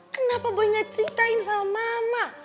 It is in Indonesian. kenapa boy gak ceritain sama mama